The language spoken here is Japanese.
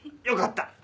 よかった！